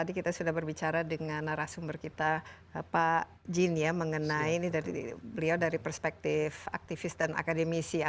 tadi kita sudah berbicara dengan narasumber kita pak jean mengenai dari perspektif aktivis dan akademisi